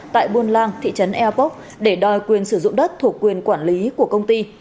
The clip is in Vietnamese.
tại buôn lang thị trấn eapok để đòi quyền sử dụng đất thuộc quyền quản lý của công ty